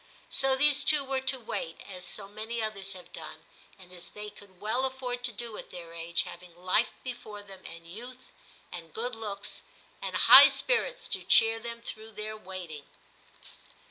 So these twp were to wait, as so many others have done, and as they could well afford to do at their age, having life be fore them, and youth, and good looks, and high spirits to cheer them through their waiting.